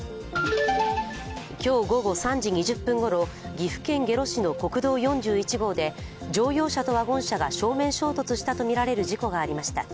今日午後３時２０分ごろ、岐阜県下呂市の国道４１号で乗用車とワゴン車が正面衝突したとみられる事故がありました。